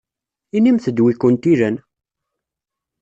Inimt-d wi kent-ilan!